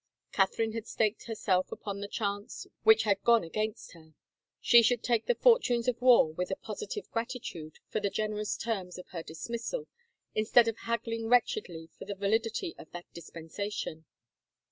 Catherine had staked her self upon a chance which had gone against her — she should take the fortunes of war with a positive grati tude for the generous terms of her dismissal, instead of haggling wretchedly for the validity of that dispen sation